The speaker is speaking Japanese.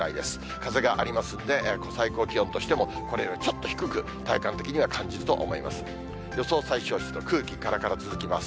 風がありますんで、最高気温としても、これよりちょっと低く、体感的には感じると思います。